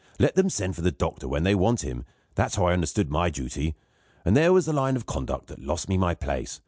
Let them send for the doctor when they want him. That was how I understood my duty; and there was the line of conduct that lost me my place.